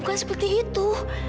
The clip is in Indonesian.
bukan seperti itu